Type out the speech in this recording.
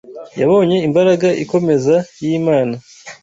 yabonye imbaraga ikomeza y’Imana